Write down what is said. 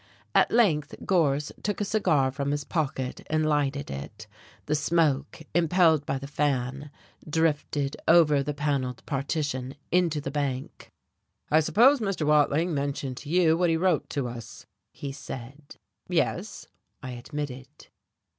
At length Gorse took a cigar from his pocket and lighted it; the smoke, impelled by the fan, drifted over the panelled partition into the bank. "I suppose Mr. Watling mentioned to you what he wrote to us," he said. "Yes," I admitted.